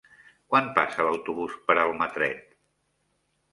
Quan passa l'autobús per Almatret?